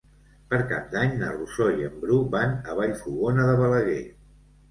Per Cap d'Any na Rosó i en Bru van a Vallfogona de Balaguer.